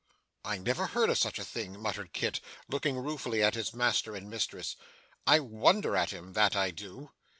'I never heard of such a thing!' muttered Kit, looking ruefully at his master and mistress. 'I wonder at him; that I do.